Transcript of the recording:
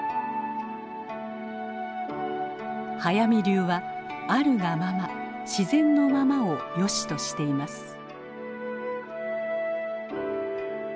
速水流はあるがまま自然のままを良しとしています。